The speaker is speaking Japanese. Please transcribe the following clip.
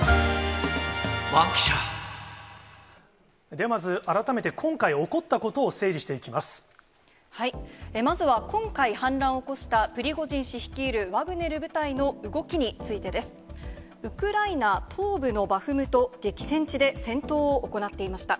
ではまず、改めて今回起こっまずは、今回、反乱を起こしたプリゴジン氏率いるワグネル部隊の動きについてです。ウクライナ東部のバフムト、激戦地で戦闘を行っていました。